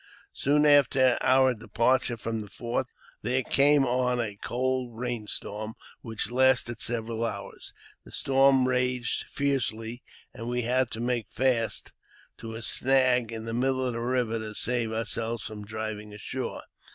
Soon after our departure from the fort there came on a cold rain storm, which lasted several hours; the storm raged fiercely, and we had to make fast to a snag in the middle of the river to save ourselves from driving ashore.